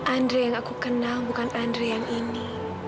andre yang aku kenal bukan andre yang ini